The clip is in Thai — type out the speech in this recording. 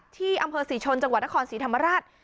ที่อำเภอศรีชนจังหวัดนครศรีธรรมราช